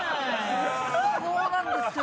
そうなんですよ。